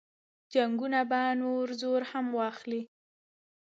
جنګونه به نور زور هم واخلي.